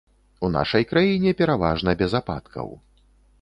У нашай краіне пераважна без ападкаў.